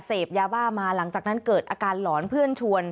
เสพยาบ้ามาหลังจากนั้นเกิดอาการหลอนเพื่อนชวน